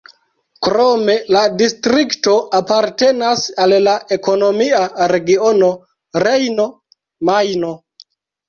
Krome la distrikto apartenas al la ekonomia regiono Rejno-Majno.